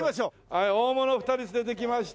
はい大物２人連れてきました。